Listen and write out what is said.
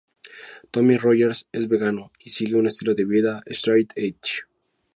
Tommy Rogers es vegano y sigue un estilo de vida "straight edge".